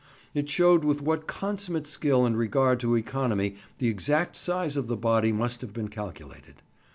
It showed with what consummate skill and regard to economy the exact size of the body must have been calculated.